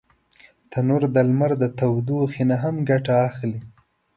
تنور د لمر د تودوخي نه هم ګټه اخلي